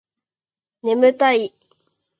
ねむたい